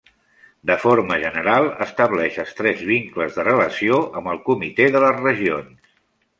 De forma general estableix estrets vincles de relació amb el Comitè de les Regions.